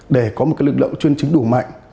để có một lực lượng chuyên trính đủ mạnh